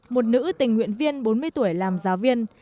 một nữ tình nguyện viên bốn mươi tuổi làm giáo viên